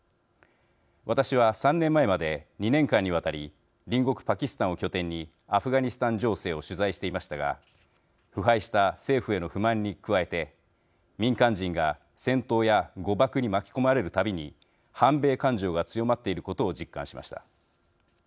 私は３年前まで２年間にわたり隣国パキスタンを拠点にアフガニスタン情勢を取材していましたが腐敗した政府への不満に加えて民間人が戦闘や誤爆に巻き込まれるたびに反米感情が強まっていることを実感しました。